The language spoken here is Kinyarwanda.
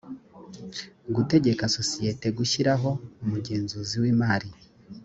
gutegeka sosiyete gushyiraho umugenzuzi w’imari